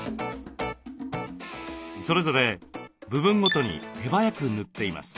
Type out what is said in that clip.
それぞれ部分ごとに手早く塗っています。